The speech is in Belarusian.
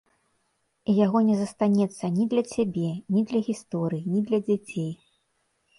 І яго не застанецца ні для цябе, ні для гісторыі, ні для дзяцей.